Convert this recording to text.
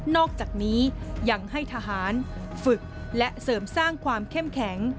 อกจากนี้ยังให้ทหารฝึกและเสริมสร้างความเข้มแข็ง